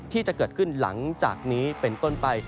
ที่จะเกิดขึ้นหลังจากนี้เป็นต้นไป